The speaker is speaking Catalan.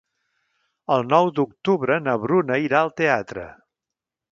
El nou d'octubre na Bruna irà al teatre.